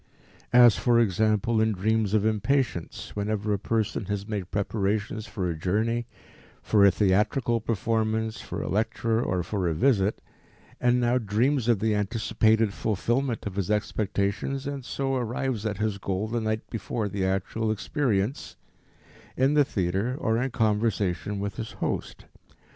As, for example, in dreams of impatience, whenever a person has made preparations for a journey, for a theatrical performance, for a lecture or for a visit, and now dreams of the anticipated fulfillment of his expectations, and so arrives at his goal the night before the actual experience, in the theatre or in conversation with his host.